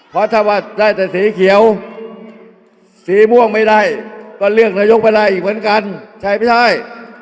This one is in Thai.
เพราะถ้าว่าได้แต่สีเขียวสีม่วงไม่ได้ก็เลือกนายกไม่ได้อีกเหมือนกันใช้ไม่ได้